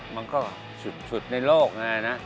มันก็สุดในโลกนะ